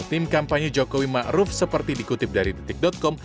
tim kampanye jokowi ma'ruf seperti dikutip dari titik com